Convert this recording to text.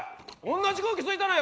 同じ空気吸いたないわ！